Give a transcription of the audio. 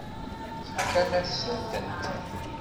Tefkam-asent-tent?